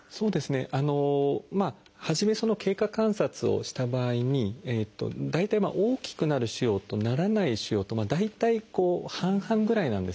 あの初め経過観察をした場合に大体大きくなる腫瘍とならない腫瘍と大体半々ぐらいなんですね。